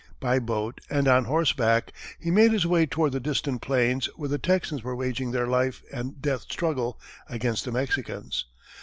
By boat and on horseback, he made his way toward the distant plains where the Texans were waging their life and death struggle against the Mexicans.